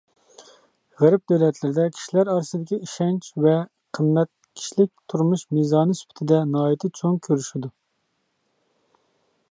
غەرب دۆلەتلىرىدە كىشىلەر ئارىسىدىكى ئىشەنچ ۋە قىممەت كىشىلىك تۇرمۇش مىزانى سۈپىتىدە ناھايىتى چوڭ كۈرىشىدۇ.